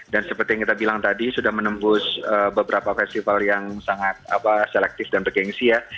dan seperti yang kita bilang tadi sudah menembus beberapa festival yang sangat selektif dan bergensi ya